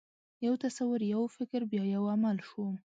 یو تصور، یو فکر، بیا یو عمل شو.